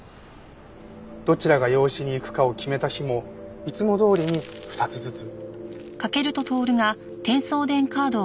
どちらが養子に行くかを決めた日もいつもどおりに２つずつ。